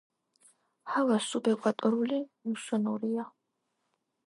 ჰავა სუბეკვატორული მუსონურია.